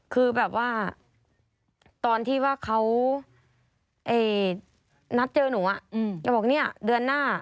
คือแบบว่าตอนที่ว่าเขานัดเจอหนูจะบอกเนี่ยเดือนหน้า